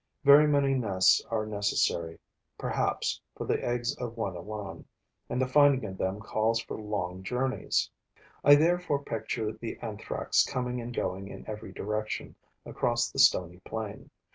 Very many nests are necessary, perhaps, for the eggs of one alone; and the finding of them calls for long journeys. I therefore picture the Anthrax coming and going in every direction across the stony plain.